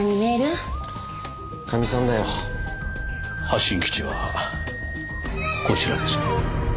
発信基地はこちらですね。